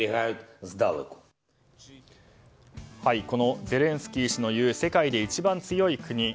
このゼレンスキー氏の言う世界で一番強い国。